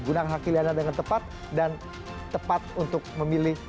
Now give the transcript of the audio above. gunakan hak pilih anda dengan tepat dan tepat untuk memilih